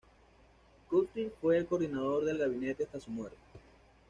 Clouthier fue el coordinador del gabinete hasta su muerte.